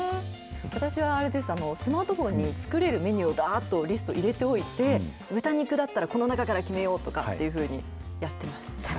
私はあれですね、スマートフォンに作れるリスト、がっと入れておいて、豚肉だったらこの中から決めようとかっていうふうにやってます。